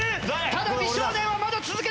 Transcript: ただ美少年はまだ続けている！